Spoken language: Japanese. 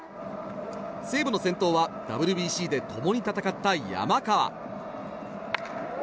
西武の先頭はＷＢＣで共に戦った山川。